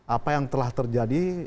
apa yang telah terjadi